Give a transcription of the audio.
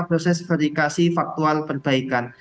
proses verifikasi faktual perbaikan